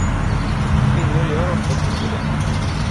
Kvinnor gör oftast inte det.